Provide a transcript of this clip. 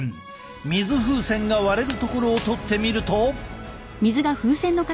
水風船が割れるところを撮ってみると。